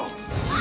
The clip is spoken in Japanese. あ！